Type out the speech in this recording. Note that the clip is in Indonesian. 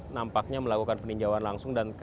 nampaknya melakukan peninjauan langsung